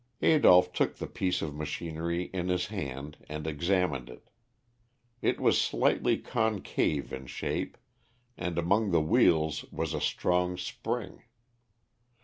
Adolph took the piece of machinery in his hand and examined it. It was slightly concave in shape, and among the wheels was a strong spring.